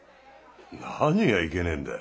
何がいけねえんだ？